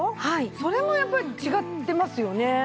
それもやっぱり違ってますよね。